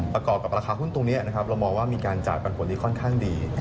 ประกอบกับราคาหุ้นตรงนี้เรามองว่ามีการจ่ายปันผลที่ค่อนข้างดี